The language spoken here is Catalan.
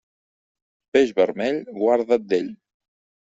Peix vermell, guarda't d'ell.